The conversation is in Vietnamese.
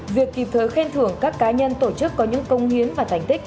việc kịp thời khen thưởng các cá nhân tổ chức có những công hiến và thành tích